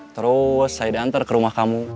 terus saya diantar ke rumah kamu